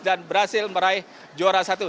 dan berhasil meraih juara satu